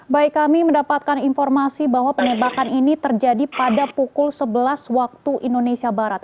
baik kami mendapatkan informasi bahwa penembakan ini terjadi pada pukul sebelas waktu indonesia barat